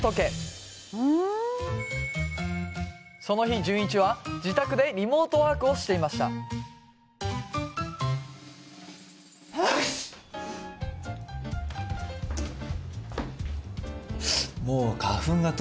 その日潤一は自宅でリモートワークをしていましたハクシュン！